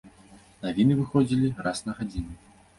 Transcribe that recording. Навіны выходзілі раз на гадзіну.